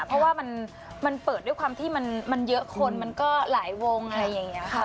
เพราะว่ามันเปิดด้วยความที่มันเยอะคนมันก็หลายวงอะไรอย่างนี้ค่ะ